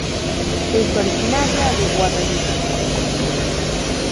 Es originaria de Guadalupe.